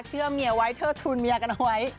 เชื่อเมียไว้เธอทูลเมียกันไว้